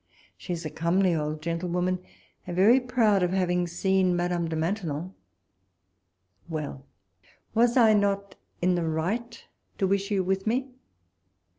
She is a comely old gentlewoman, and very proud of having seen Madame de Main tenon. Well I was not I in the right to wish you with me?